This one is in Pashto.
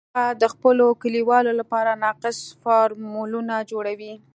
هغه د خپلو کلیوالو لپاره ناقص فارمولونه جوړوي